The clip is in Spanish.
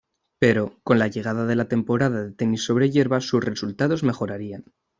Pero, con la llegada de la temporada de tenis sobre hierba, sus resultados mejorarían.